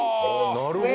なるほど！